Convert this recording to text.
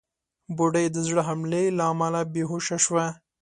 بوډۍ د زړه حملې له امله بېهوشه شوه.